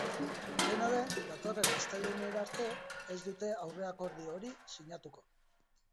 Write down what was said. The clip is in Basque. Dena den, datorren astelehenera arte ez dute aurreakordio hori sinatuko.